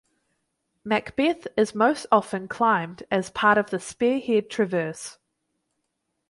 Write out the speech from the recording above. Macbeth is most often climbed as part of the "Spearhead Traverse".